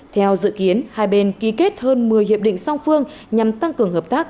theo dự kiến hai bên ký kết hơn một mươi hiệp định song phương nhằm tăng cường hợp tác